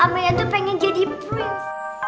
amalia tuh pengen jadi prinses